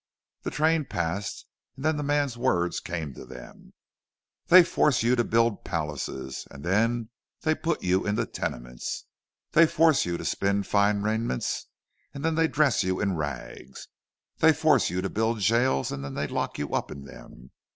The train passed, and then the man's words came to them: "They force you to build palaces, and then they put you into tenements! They force you to spin fine raiment, and then they dress you in rags! They force you to build jails, and then they lock you up in them!